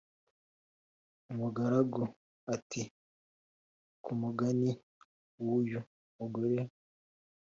umugaragu ati"kumugani wuyu mugore